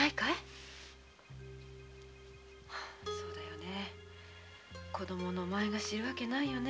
そうだよね子供のお前が知るわけないよね。